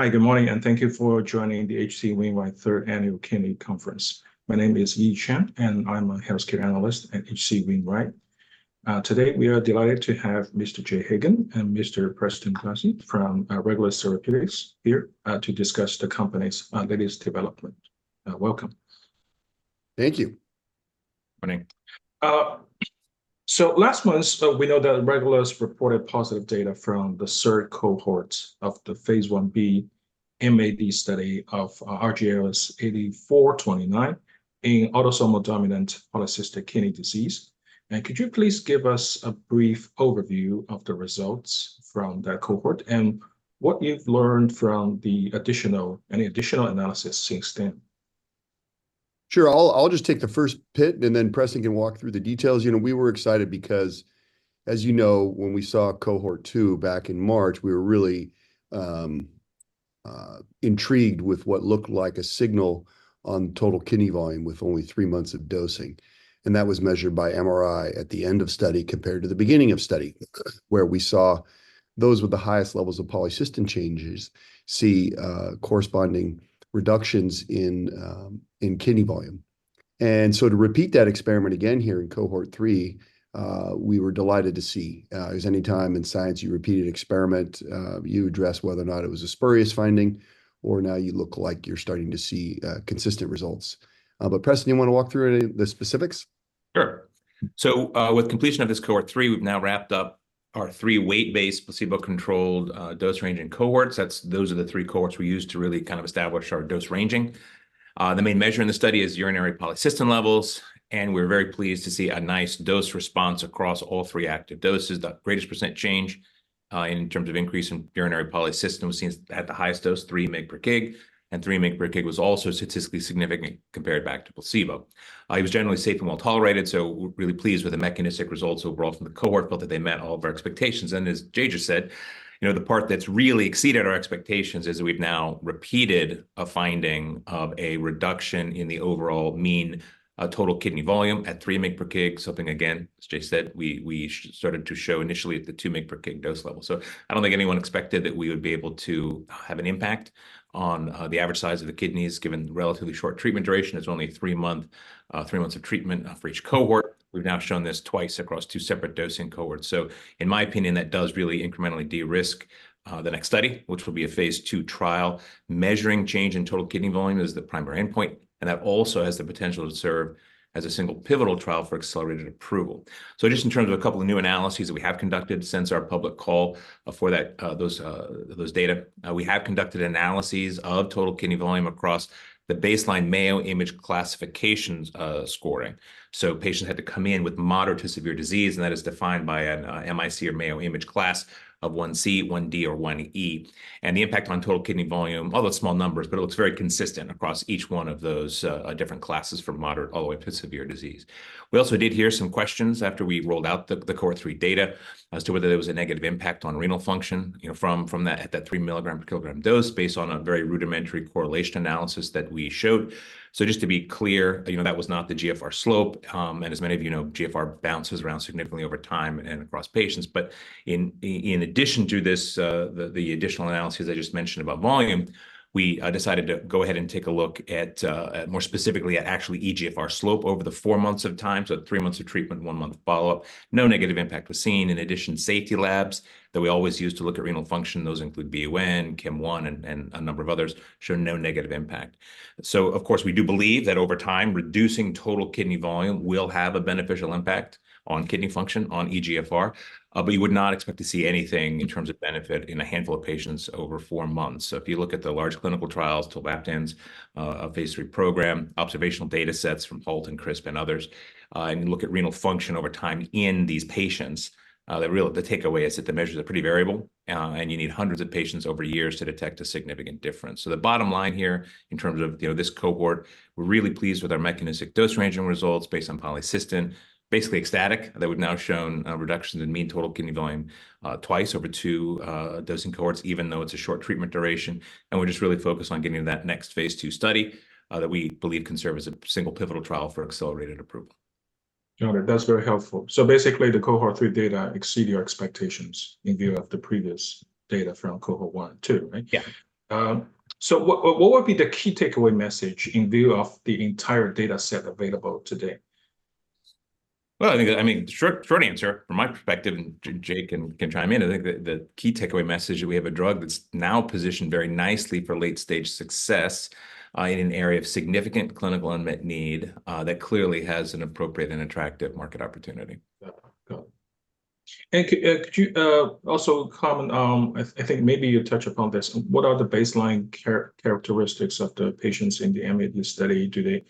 Hi, good morning, and thank you for joining the H.C. Wainwright 3rd Annual Kidney Conference. My name is Yi Chen, and I'm a Healthcare Analyst at H.C. Wainwright. Today, we are delighted to have Mr. Jay Hagan and Mr. Preston Klassen from Regulus Therapeutics here to discuss the company's latest development. Welcome. Thank you. Morning. So last month, we know that Regulus reported positive data from the third cohort of the phase I-B MAD study of RGLS8429 in autosomal dominant polycystic kidney disease. Could you please give us a brief overview of the results from that cohort, and what you've learned from any additional analysis since then? Sure. I'll just take the first bit, and then Preston can walk through the details. You know, we were excited because, as you know, when we saw Cohort 2 back in March, we were really intrigued with what looked like a signal on total kidney volume with only three months of dosing, and that was measured by MRI at the end of study compared to the beginning of study, where we saw those with the highest levels of polycystic changes see corresponding reductions in kidney volume. And so to repeat that experiment again here in Cohort 3, we were delighted to see. As any time in science you repeat an experiment, you address whether or not it was a spurious finding, or now you look like you're starting to see consistent results. But Preston, you wanna walk through any of the specifics? Sure. So, with completion of this Cohort 3, we've now wrapped up our three weight-based, placebo-controlled, dose-ranging cohorts. Those are the three cohorts we used to really kind of establish our dose ranging. The main measure in the study is urinary polycystin levels, and we're very pleased to see a nice dose response across all three active doses. The greatest percent change in terms of increase in urinary polycystin was seen at the highest dose, 3 mg/kg, and 3 mg/kg was also statistically significant compared back to placebo. It was generally safe and well-tolerated, so we're really pleased with the mechanistic results overall from the cohort, felt that they met all of our expectations. And as Jay just said, you know, the part that's really exceeded our expectations is we've now repeated a finding of a reduction in the overall mean total kidney volume at 3 mg/kg, something again, as Jay said, we started to show initially at the 2 mg/kg dose level. So I don't think anyone expected that we would be able to have an impact on the average size of the kidneys, given the relatively short treatment duration. It's only a three-month, three months of treatment for each cohort. We've now shown this twice across two separate dosing cohorts. So in my opinion, that does really incrementally de-risk the next study, which will be a phase II trial. Measuring change in total kidney volume is the primary endpoint, and that also has the potential to serve as a single pivotal trial for accelerated approval. So just in terms of a couple of new analyses that we have conducted since our public call, for that, those data, we have conducted analyses of total kidney volume across the baseline Mayo Imaging Classifications, scoring. So patients had to come in with moderate to severe disease, and that is defined by an MIC or Mayo Imaging Class of 1C, 1D, or 1E. And the impact on total kidney volume, although small numbers, but it looks very consistent across each one of those, different classes from moderate all the way up to severe disease. We also did hear some questions after we rolled out the Cohort 3 data as to whether there was a negative impact on renal function, you know, from that at that 3 mg/kg dose, based on a very rudimentary correlation analysis that we showed. So just to be clear, you know, that was not the GFR slope, and as many of you know, GFR bounces around significantly over time and across patients. But in addition to this, the additional analyses I just mentioned about volume, we decided to go ahead and take a look at more specifically at actually eGFR slope over the four months of time, so three months of treatment, one month follow-up. No negative impact was seen. In addition, safety labs that we always use to look at renal function, those include BUN, KIM-1, and a number of others, showed no negative impact. So of course, we do believe that over time, reducing total kidney volume will have a beneficial impact on kidney function, on eGFR, but you would not expect to see anything in terms of benefit in a handful of patients over four months. So if you look at the large clinical trials, tolvaptan's, a phase III program, observational data sets from HALT and CRISP and others, and you look at renal function over time in these patients, the takeaway is that the measures are pretty variable, and you need hundreds of patients over years to detect a significant difference. So the bottom line here, in terms of, you know, this cohort, we're really pleased with our mechanistic dose ranging results based on polycystin. Basically ecstatic that we've now shown reductions in mean total kidney volume twice over two dosing cohorts, even though it's a short treatment duration, and we're just really focused on getting to that next phase II study that we believe can serve as a single pivotal trial for accelerated approval. Got it. That's very helpful. Basically, the Cohort 3 data exceed your expectations in view of the previous data from Cohort 1 and 2, right? Yeah. So what would be the key takeaway message in view of the entire data set available today? Well, I think, I mean, short answer, from my perspective, and Jay can chime in, I think the key takeaway message is we have a drug that's now positioned very nicely for late-stage success in an area of significant clinical unmet need that clearly has an appropriate and attractive market opportunity. Yeah. Good. And could you also comment on, I think maybe you touched upon this, what are the baseline characteristics of the patients in the MAD study? Do they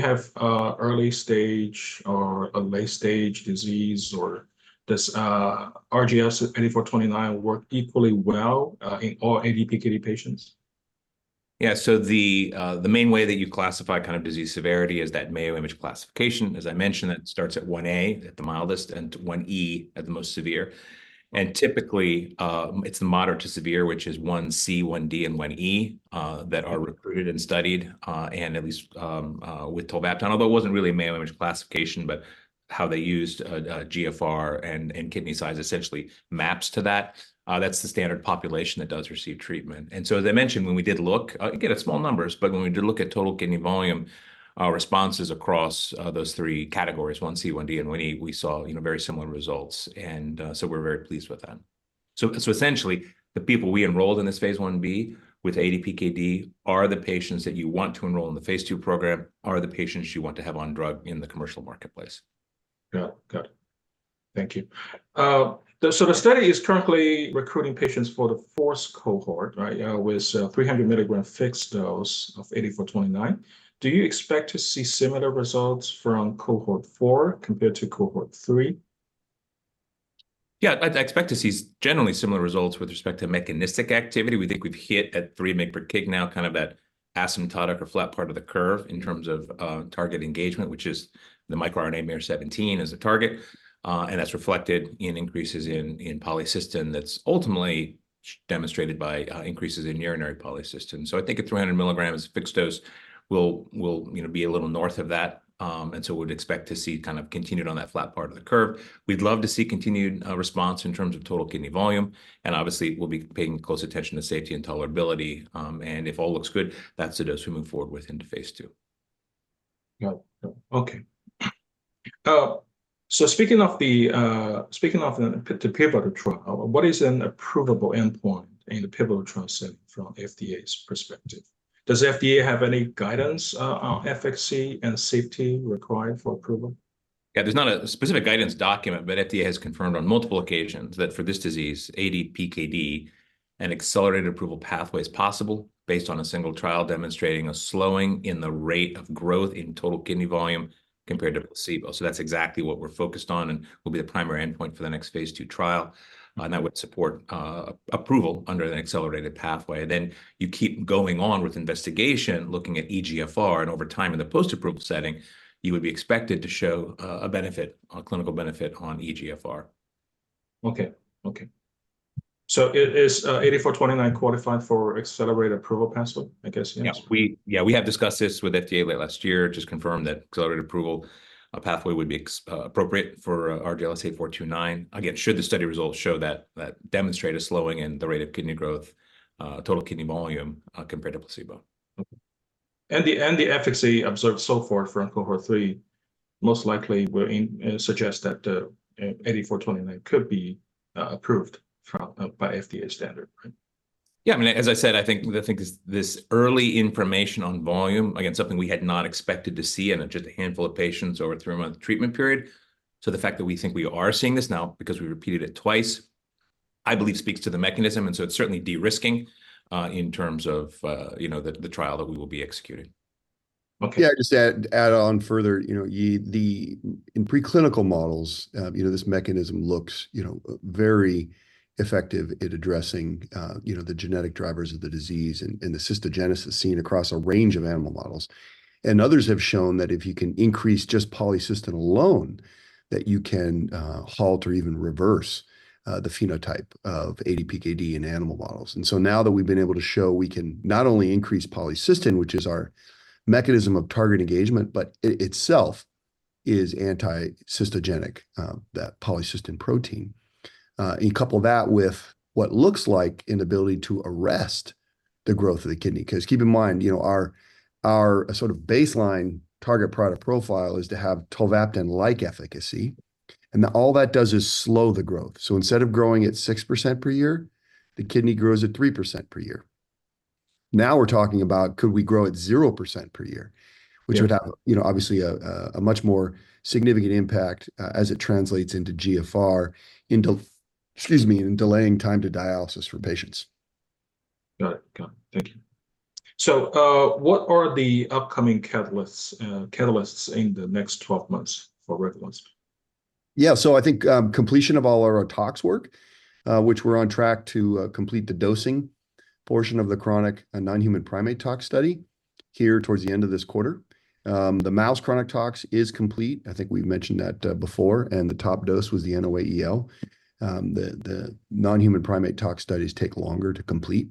have early-stage or late-stage disease, or does RGLS8429 work equally well in all ADPKD patients? Yeah, so the, the main way that you classify kind of disease severity is that Mayo Imaging Classification. As I mentioned, it starts at 1A, at the mildest, and 1E at the most severe. And typically, it's the moderate to severe, which is 1C, 1D, and 1E, that are recruited and studied, and at least, with tolvaptan, although it wasn't really a Mayo Imaging Classification, but how they used GFR and kidney size essentially maps to that. That's the standard population that does receive treatment. And so as I mentioned, when we did look, again, it's small numbers, but when we did look at total kidney volume, our responses across, those three categories, 1C, 1D, and 1E, we saw, you know, very similar results. And so we're very pleased with that. So essentially, the people we enrolled in this phase I-B with ADPKD are the patients that you want to enroll in the phase II program, are the patients you want to have on drug in the commercial marketplace. Yeah. Good. Thank you. So the study is currently recruiting patients for the fourth cohort, right? With 300 mg fixed dose of 8429. Do you expect to see similar results from Cohort 4 compared to Cohort 3? Yeah, I, I expect to see generally similar results with respect to mechanistic activity. We think we've hit at 3 mg/kg now, kind of that asymptotic or flat part of the curve in terms of target engagement, which is the microRNA miR-17 as a target. And that's reflected in increases in polycystin that's ultimately demonstrated by increases in urinary polycystin. So I think at 300 mg fixed dose, we'll, you know, be a little north of that. And so we'd expect to see kind of continued on that flat part of the curve. We'd love to see continued response in terms of total kidney volume, and obviously, we'll be paying close attention to safety and tolerability. And if all looks good, that's the dose we move forward with into phase II. Yeah. Yeah. Okay. So speaking of the pivotal trial, what is an approvable endpoint in the pivotal trial set from FDA's perspective? Does FDA have any guidance on efficacy and safety required for approval? Yeah, there's not a specific guidance document, but FDA has confirmed on multiple occasions that for this disease, ADPKD, an accelerated approval pathway is possible based on a single trial demonstrating a slowing in the rate of growth in total kidney volume compared to placebo. So that's exactly what we're focused on and will be the primary endpoint for the next phase II trial, and that would support approval under an accelerated pathway. Then you keep going on with investigation, looking at eGFR, and over time, in the post-approval setting, you would be expected to show a benefit, a clinical benefit on eGFR. Okay. Okay. So is 8429 qualified for accelerated approval pathway, I guess, yes? We have discussed this with FDA late last year, just confirmed that accelerated approval pathway would be appropriate for RGLS8429. Again, should the study results show that demonstrate a slowing in the rate of kidney growth, total kidney volume, compared to placebo. Okay. And the efficacy observed so far from Cohort 3 most likely will suggest that 8429 could be approved by FDA standard, right? Yeah, I mean, as I said, I think the thing is this early information on volume, again, something we had not expected to see in just a handful of patients over a three-month treatment period. So the fact that we think we are seeing this now because we repeated it twice, I believe speaks to the mechanism, and so it's certainly de-risking, in terms of, you know, the trial that we will be executing. Okay. Yeah, just add on further, you know, the in preclinical models, you know, this mechanism looks, you know, very effective at addressing, you know, the genetic drivers of the disease and, and the cystogenesis seen across a range of animal models. And others have shown that if you can increase just polycystin alone, that you can halt or even reverse the phenotype of ADPKD in animal models. And so now that we've been able to show we can not only increase polycystin, which is our mechanism of target engagement, but it, itself is anti-cystogenic, that polycystin protein. You couple that with what looks like an ability to arrest the growth of the kidney, 'cause keep in mind, you know, our sort of baseline target product profile is to have tolvaptan-like efficacy, and all that does is slow the growth. So instead of growing at 6% per year, the kidney grows at 3% per year. Now we're talking about could we grow at 0% per year. Yeah. Which would have, you know, obviously a much more significant impact, as it translates into GFR, into, excuse me, in delaying time to dialysis for patients. Got it. Got it. Thank you. So, what are the upcoming catalysts in the next 12 months for Regulus? Yeah. So I think, completion of all our tox work, which we're on track to complete the dosing portion of the chronic and non-human primate tox study here towards the end of this quarter. The mouse chronic tox is complete, I think we've mentioned that, before, and the top dose was the NOAEL. The non-human primate tox studies take longer to complete.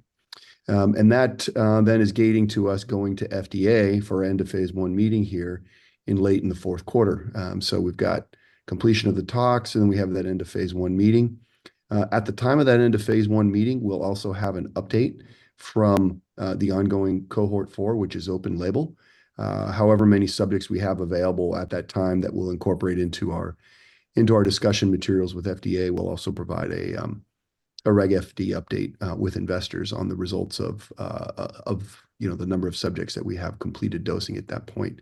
And that then is gating to us going to FDA for end of phase I meeting here in late in the fourth quarter. So we've got completion of the tox, and then we have that end of phase I meeting. At the time of that end of phase I meeting, we'll also have an update from the ongoing Cohort 4, which is open label. However, many subjects we have available at that time that we'll incorporate into our discussion materials with FDA. We'll also provide a Regulation FD update with investors on the results of, you know, the number of subjects that we have completed dosing at that point.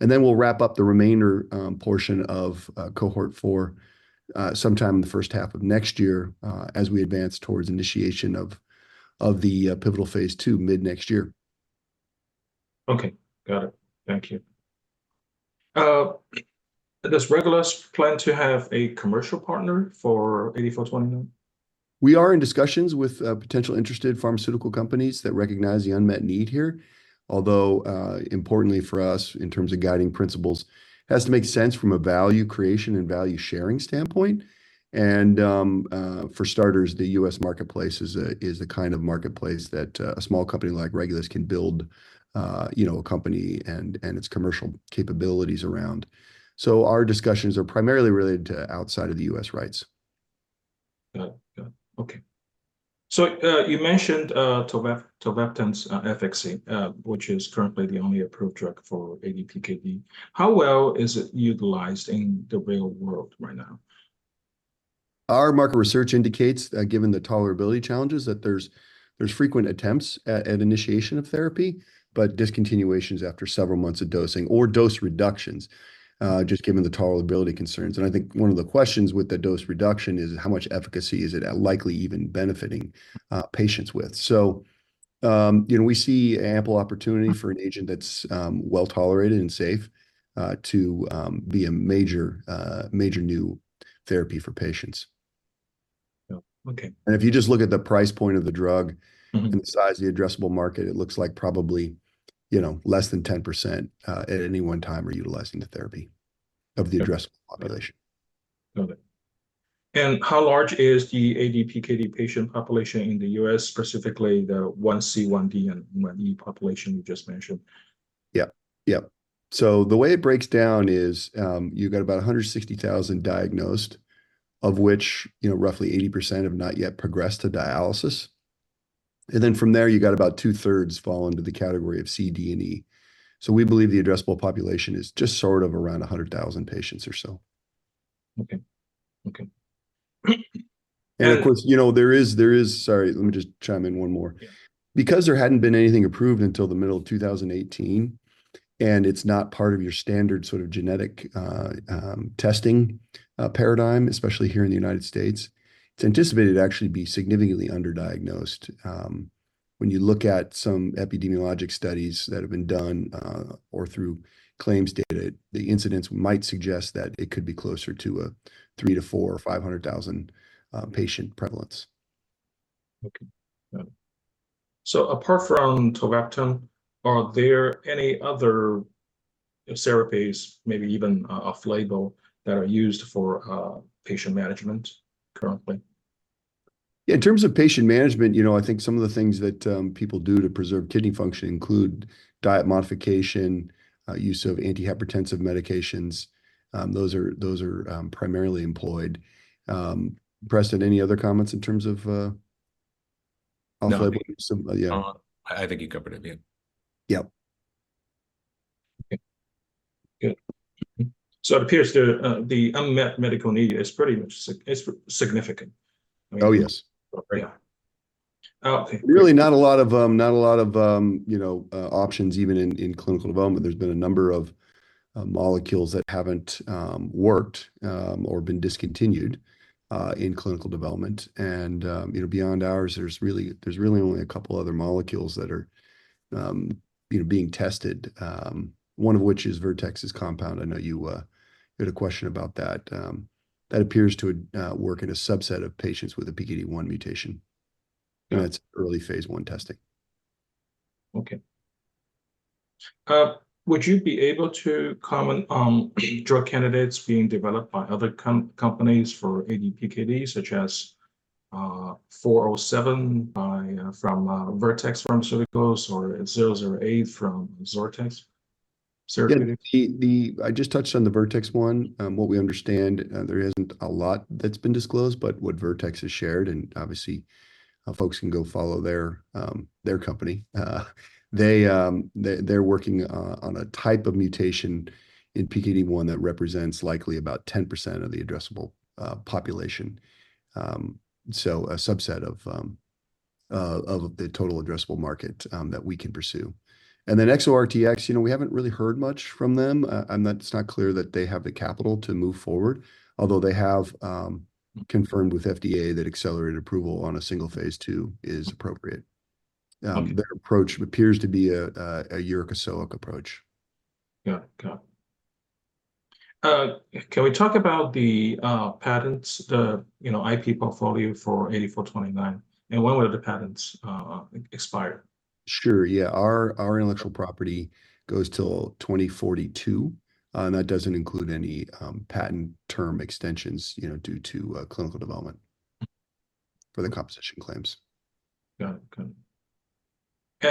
And then we'll wrap up the remainder portion of Cohort 4 sometime in the first half of next year as we advance towards initiation of the pivotal phase II mid-next year. Okay. Got it. Thank you. Does Regulus plan to have a commercial partner for 8429? We are in discussions with potential interested pharmaceutical companies that recognize the unmet need here. Although, importantly for us, in terms of guiding principles, has to make sense from a value creation and value sharing standpoint. And, for starters, the U.S. marketplace is the kind of marketplace that a small company like Regulus can build, you know, a company and its commercial capabilities around. So our discussions are primarily related to outside of the U.S. rights. Got it. Got it. Okay. So, you mentioned, tolvaptan's efficacy, which is currently the only approved drug for ADPKD. How well is it utilized in the real world right now? Our market research indicates that given the tolerability challenges, that there's frequent attempts at initiation of therapy, but discontinuations after several months of dosing or dose reductions, just given the tolerability concerns. And I think one of the questions with the dose reduction is, how much efficacy is it at likely even benefiting patients with? So, you know, we see ample opportunity for an agent that's well-tolerated and safe, to be a major new therapy for patients. Yeah. Okay. If you just look at the price point of the drug. Mm-hmm. And the size of the addressable market, it looks like probably, you know, less than 10% at any one time are utilizing the therapy. Got it. Of the addressable population. Got it. And how large is the ADPKD patient population in the U.S., specifically the 1C, 1D, and 1E population you just mentioned? Yep, yep. So the way it breaks down is, you've got about 160,000 diagnosed, of which, you know, roughly 80% have not yet progressed to dialysis. And then from there, you got about two-thirds fall under the category of C, D and E. So we believe the addressable population is just sort of around 100,000 patients or so. Okay. Okay. Of course, you know, there is, there is, sorry, let me just chime in one more. Yeah. Because there hadn't been anything approved until the middle of 2018, and it's not part of your standard sort of genetic, testing, paradigm, especially here in the United States, it's anticipated to actually be significantly underdiagnosed. When you look at some epidemiologic studies that have been done, or through claims data, the incidence might suggest that it could be closer to a 300,000-400,000 or 500,000 patient prevalence. Okay. Got it. So apart from tolvaptan, are there any other therapies, maybe even off-label, that are used for patient management currently? In terms of patient management, you know, I think some of the things that people do to preserve kidney function include diet modification, use of antihypertensive medications. Those are primarily employed. Preston, any other comments in terms of off-label? No. Yeah. I think you covered it. Yeah. Yep. Okay. Good. Mm-hmm. So it appears the unmet medical need is pretty much so. It's significant. Oh, yes. Yeah. Okay. Really not a lot of, not a lot of, you know, options, even in clinical development. There's been a number of molecules that haven't worked, or been discontinued, in clinical development. You know, beyond ours, there's really, there's really only a couple other molecules that are, you know, being tested, one of which is Vertex's compound. I know you, you had a question about that. That appears to work in a subset of patients with a PKD1 mutation, and it's early phase I testing. Okay. Would you be able to comment on drug candidates being developed by other companies for ADPKD, such as 407 from Vertex Pharmaceuticals or 008 from XORTX? Again, I just touched on the Vertex one. What we understand, there isn't a lot that's been disclosed, but what Vertex has shared, and obviously, folks can go follow their company, they, they're working on a type of mutation in PKD1 that represents likely about 10% of the addressable population. So a subset of the total addressable market that we can pursue. And then XORTX, you know, we haven't really heard much from them. And that it's not clear that they have the capital to move forward, although they have confirmed with FDA that accelerated approval on a single phase II is appropriate. Okay. Their approach appears to be a uric acid approach. Got it, got it. Can we talk about the patents, the, you know, IP portfolio for 8429, and when will the patents expire? Sure, yeah. Our intellectual property goes till 2042, and that doesn't include any patent term extensions, you know, due to clinical development for the composition claims. Got it. Got it.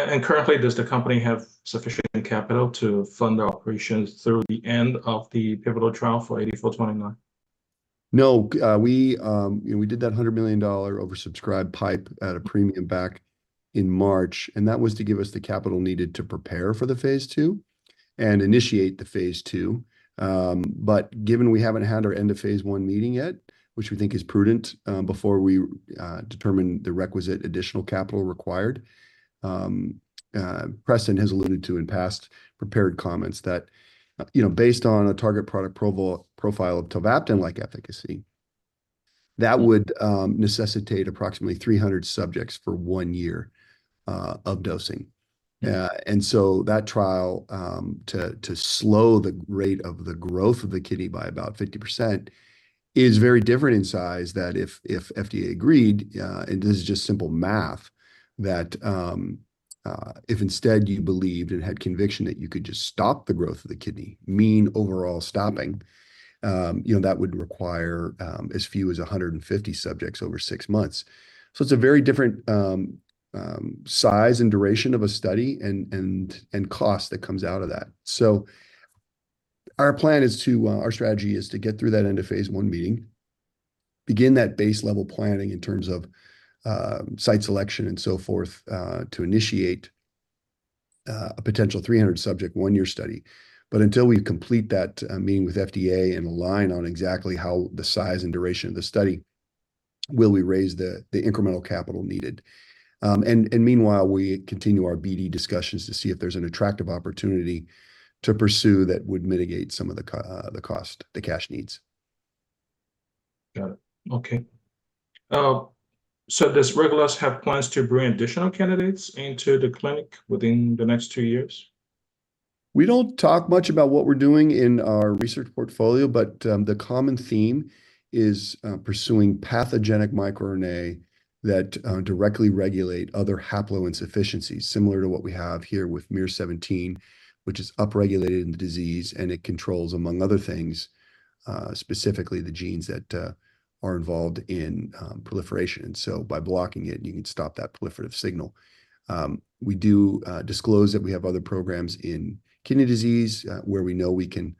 And currently, does the company have sufficient capital to fund the operations through the end of the pivotal trial for 8429? No, we, you know, we did that $100 million oversubscribed PIPE at a premium back in March, and that was to give us the capital needed to prepare for the phase II and initiate the phase II. But given we haven't had our end of phase I meeting yet, which we think is prudent, before we, determine the requisite additional capital required, Preston has alluded to in past prepared comments that, you know, based on a target product profile of tolvaptan-like efficacy, that would, necessitate approximately 300 subjects for one year of dosing. And so that trial to slow the rate of the growth of the kidney by about 50% is very different in size, that if FDA agreed, and this is just simple math, that if instead you believed and had conviction that you could just stop the growth of the kidney, meaning overall stopping, you know, that would require as few as 150 subjects over six months. So it's a very different size and duration of a study and cost that comes out of that. So our plan is to, our strategy is to get through that end of phase I meeting, begin that base level planning in terms of site selection and so forth, to initiate a potential 300 subject one-year study. But until we complete that meeting with FDA and align on exactly how the size and duration of the study, will we raise the incremental capital needed. And meanwhile, we continue our BD discussions to see if there's an attractive opportunity to pursue that would mitigate some of the costs, the cash needs. Got it. Okay. So, does Regulus have plans to bring additional candidates into the clinic within the next two years? We don't talk much about what we're doing in our research portfolio, but the common theme is pursuing pathogenic microRNA that directly regulate other haploinsufficiencies, similar to what we have here with miR-17, which is upregulated in the disease, and it controls, among other things, specifically the genes that are involved in proliferation. And so by blocking it, you can stop that proliferative signal. We do disclose that we have other programs in kidney disease, where we know we can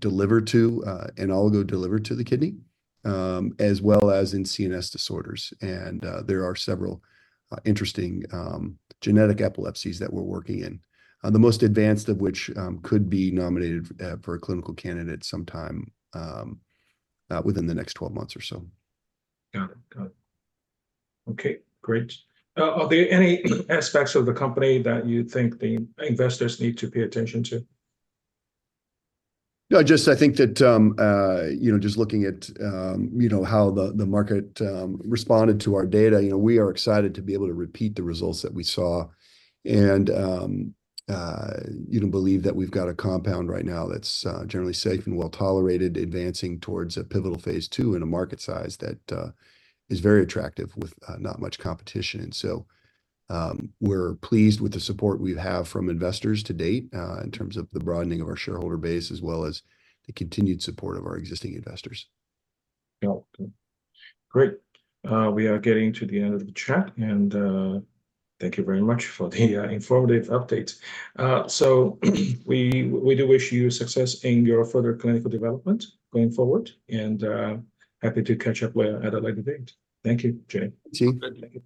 deliver to, and oligo delivery to the kidney, as well as in CNS disorders. And there are several interesting genetic epilepsies that we're working in. The most advanced of which could be nominated for a clinical candidate sometime within the next 12 months or so. Got it. Got it. Okay, great. Are there any aspects of the company that you think the investors need to pay attention to? No, just I think that, you know, just looking at, you know, how the market responded to our data, you know, we are excited to be able to repeat the results that we saw. And, you know, believe that we've got a compound right now that's, generally safe and well-tolerated, advancing towards a pivotal phase II in a market size that, is very attractive with, not much competition. And so, we're pleased with the support we have from investors to date, uh, in terms of the broadening of our shareholder base, as well as the continued support of our existing investors. Yeah. Great. We are getting to the end of the chat, and thank you very much for the informative update. So, we do wish you success in your further clinical development going forward, and happy to catch up with you at a later date. Thank you, Jay. See you. Thank you very much.